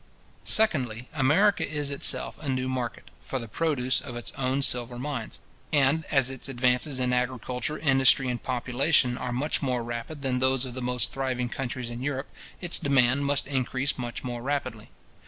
Secondly, America is itself a new market, for the produce of its own silver mines; and as its advances in agriculture, industry, and population, are much more rapid than those of the most thriving countries in Europe, its demand must increase much more rapidly.